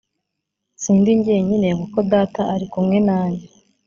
sindi jyenyine kuko data ari kumwe nanjye